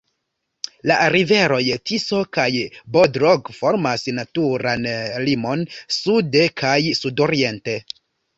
La riveroj Tiso kaj Bodrog formas naturan limon sude kaj sudoriente.